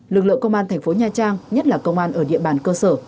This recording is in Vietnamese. lực lượng công an thành phố nha trang nhất là công an ở địa bàn cơ sở